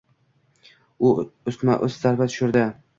U ustma-ust zarba tushirdi.